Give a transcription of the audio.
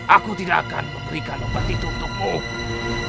aku tidak akan memberikan obat itu untukmu